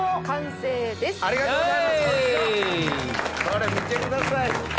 これ見てください。